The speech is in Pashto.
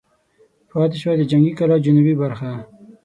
پاتې شوه د جنګي کلا جنوبي برخه.